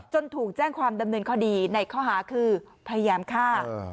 ถูกแจ้งความดำเนินคดีในข้อหาคือพยายามฆ่า